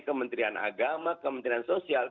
kementerian agama kementerian sosial